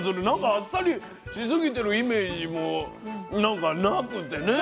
あっさりしすぎてるイメージもなんかなくてね。